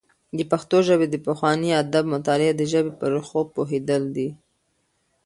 د پښتو ژبې د پخواني ادب مطالعه د ژبې په ريښو پوهېدل دي.